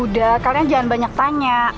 udah kalian jangan banyak tanya